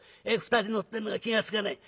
２人乗ってるのが気が付かない。